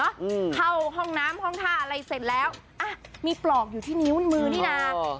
อืมเข้าห้องน้ำห้องท่าอะไรเสร็จแล้วอ่ะมีปลอกอยู่ที่นิ้วมือนี่น่ะ